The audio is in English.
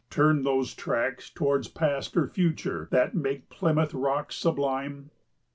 Turn those tracks toward Past or Future, that make Plymouth Rock sublime?